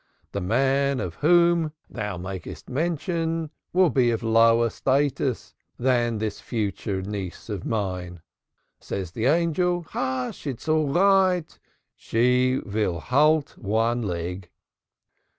The man of whom thou makest mention will be of a lower status than this future niece of mine.' Said the Angel; 'Sh! It is all right. She will halt on one leg.'